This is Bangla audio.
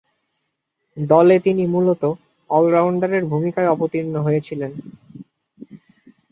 দলে তিনি মূলতঃ অল-রাউন্ডারের ভূমিকায় অবতীর্ণ হয়েছিলেন।